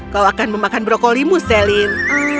kau akan memakan brokoli muselin